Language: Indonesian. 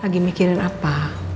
lagi mikirin apa